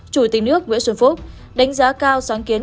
chủ tịch nước nguyễn xuân phúc đánh giá cao sáng kiến